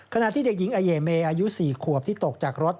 ขณะที่เด็กหญิงอเยเมย์อายุ๔ขวบที่ตกจากรถ